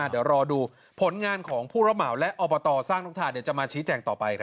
เดี๋ยวรอดูผลงานของผู้ระเหมาและอบตสร้างต้องถ่ายจะมาชี้แจงต่อไปครับ